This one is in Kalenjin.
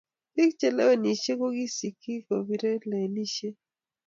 Pik che kilewenishe kokisisike kopire lewenishet